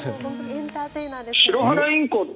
エンターテイナーですね。